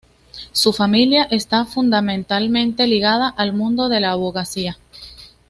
Su familia está fundamentalmente ligada al mundo de la abogacía.